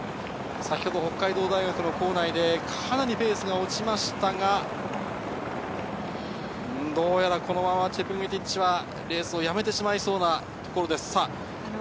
北海道大学の構内で先ほど、かなりペースが落ちましたが、どうやらこのままチェプンゲティッチはレースをやめてしまいそうなところです。